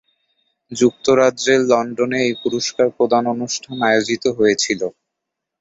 যুক্তরাজ্যের লন্ডনে এই পুরস্কার প্রদান অনুষ্ঠান আয়োজিত হয়েছিল।